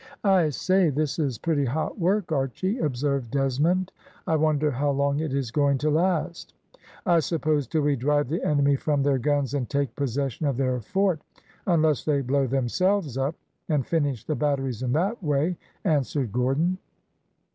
"I say, this is pretty hot work, Archy," observed Desmond; "I wonder how long it is going to last?" "I suppose till we drive the enemy from their guns and take possession of their fort, unless they blow themselves up, and finish the batteries in that way," answered Gordon.